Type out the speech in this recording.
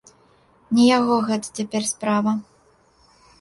Не яго гэта цяпер справа.